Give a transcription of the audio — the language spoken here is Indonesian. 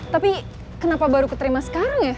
tapi kenapa baru keterima sekarang ya